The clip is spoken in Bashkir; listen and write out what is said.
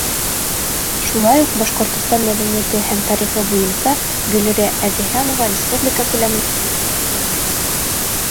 Шулай уҡ Башҡортостан мәҙәниәте һәм тарихы буйынса Гөлирә Әҙеһәмова республика күләмендә призлы урын яулаған.